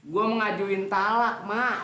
gue mengajuin talak mak